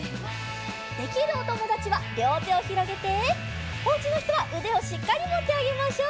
できるおともだちはりょうてをひろげておうちのひとはうでをしっかりもってあげましょう。